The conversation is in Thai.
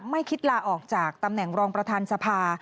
ไม่คิดลาออกจากตำแหน่งรองประธานสภา